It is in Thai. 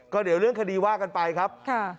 ก็เดี๋ยวเรื่องคดีว่ากันไปครับ